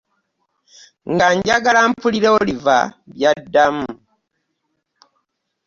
Nga njagla mpulire Olive by'addamu.